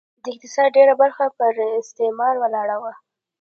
د اقتصاد ډېره برخه پر استثمار ولاړه وه.